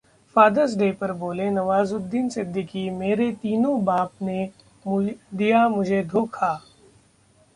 fathers Day पर बोले नवाजुद्दीन सिद्दीकी, 'मेरे तीनों बाप ने दिया मुझे धोखा'